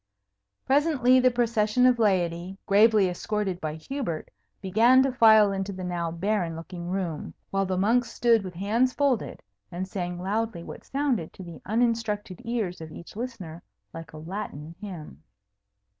Presently the procession of laity, gravely escorted by Hubert, began to file into the now barren looking room, while the monks stood with hands folded, and sang loudly what sounded to the uninstructed ears of each listener like a Latin hymn.